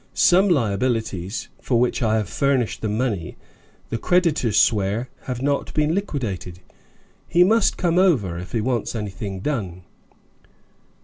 Some liabilities, for which I have furnished the money, the creditors swear have not been liquidated. He must come over if he wants anything done."